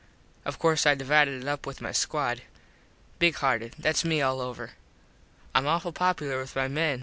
Of course I divided it up with my squad. Big hearted. Thats me all over. Im awful popular with my men.